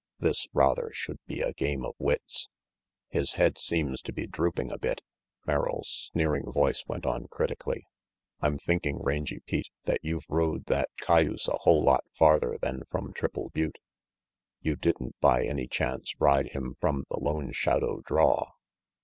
This, rather, should be a game of wits. "His head seems to be drooping a bit," Merrill's sneering voice went on critically. "I'm thinking, Rangy Pete, that you've rode that cayuse a whole lot farther than from Triple Butte. You didn't, by any chance, ride him from the Lone Shadow draw?"